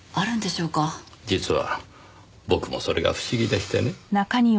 実は僕もそれが不思議でしてね。